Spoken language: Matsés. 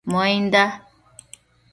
Muainda